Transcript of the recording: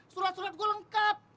surat surat gue lengkap